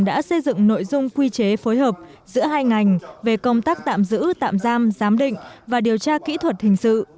đã xây dựng nội dung quy chế phối hợp giữa hai ngành về công tác tạm giữ tạm giam giám định và điều tra kỹ thuật hình sự